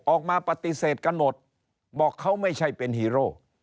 ออกมาปฏิเสธกันหมดบอกเขาไม่ใช่เป็นฮีโร่